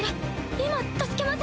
今助けます。